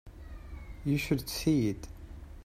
You should see it.